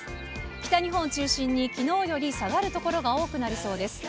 北日本を中心に、きのうより下がる所が多くなりそうです。